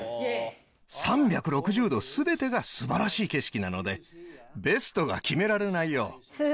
３６０度すべてが素晴らしい景色なのでベストが決められないよ。